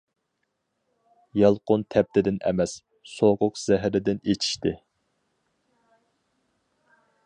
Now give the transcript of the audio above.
يالقۇن تەپتىدىن ئەمەس، سوغۇق زەھىرىدىن ئېچىشتى.